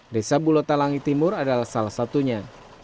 desa bulota langitimur adalah salah satunya